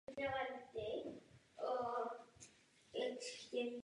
Tento úkon bývá prováděn z estetických a praktických důvodů.